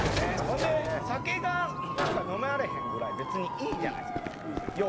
ほんで酒が飲まれへんぐらい別にいいじゃないですかよ